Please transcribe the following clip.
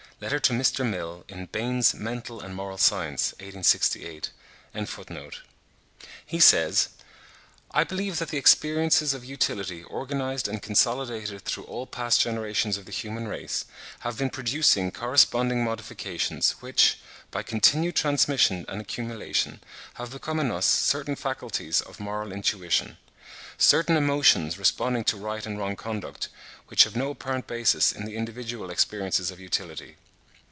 Letter to Mr. Mill in Bain's 'Mental and Moral Science,' 1868, p. 722.), "I believe that the experiences of utility organised and consolidated through all past generations of the human race, have been producing corresponding modifications, which, by continued transmission and accumulation, have become in us certain faculties of moral intuition—certain emotions responding to right and wrong conduct, which have no apparent basis in the individual experiences of utility."